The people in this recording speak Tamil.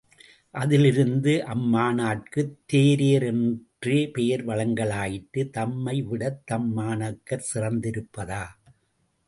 அதிலிருந்து அம் மாணக்கர்க்கு தேரையர் என்றே பெயர் வழங்கலாயிற்று— தம்மைவிடத் தம் மாணாக்கர் சிறந்திருப்பதா?